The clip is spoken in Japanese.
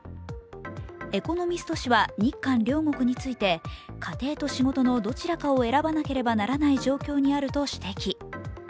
「エコノミスト」誌は日韓両国について、家庭と仕事のどちらかを選ばなければならない状況にあると指摘。